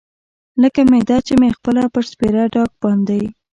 لکه معده چې مې پخپله پر سپېره ډاګ باندې.